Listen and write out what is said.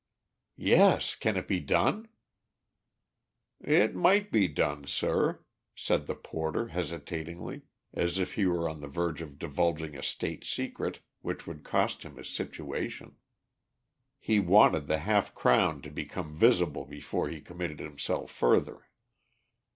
"Yes. Can it be done?" "It might be done, sir," said the porter, hesitatingly, as if he were on the verge of divulging a State secret which would cost him his situation. He wanted the half crown to become visible before he committed himself further.